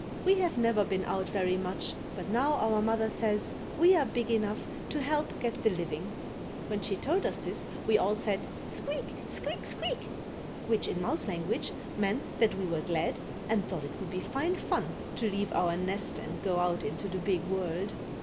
We have never been out very much but now, our mother says, we are big enough to help get the living. When she told us this, we all said: "Squeak, squeak, squeak," which, in mouse language, meant that we were glad and thought it would be fine fun to leave our nest and go out into the big world.